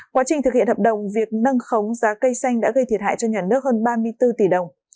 quá trình thực hiện hợp đồng việc nâng khống giá cây xanh đã gây thiệt hại cho nhà nước hơn ba mươi bốn tỷ đồng